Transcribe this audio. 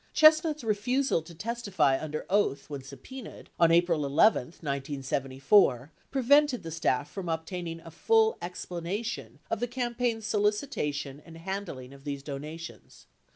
Chestnut's refusal to testify under oath when subpenaed on April 11, 1974 prevented the staff from obtaining a full explanation of the campaign's solicitation and handling of these donations.